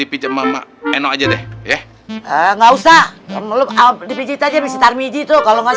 paku paku dicabutin dong